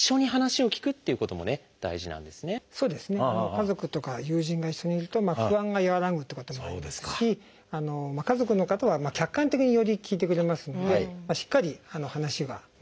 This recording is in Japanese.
家族とか友人が一緒にいると不安が和らぐということもありますし家族の方は客観的により聞いてくれますのでしっかり話が理解できると。